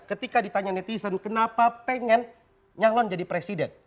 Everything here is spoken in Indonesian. ketika ditanya netizen kenapa pengen nyalon jadi presiden